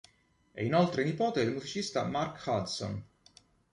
È inoltre nipote del musicista Mark Hudson.